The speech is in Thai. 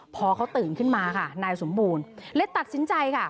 พอเขาตื่นขึ้นมาค่ะนายสมบูรณ์เลยตัดสินใจค่ะ